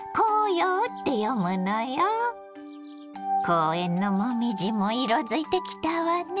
公園の紅葉も色づいてきたわね。